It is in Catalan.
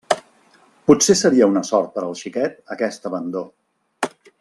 Potser seria una sort per al xiquet aquest abandó.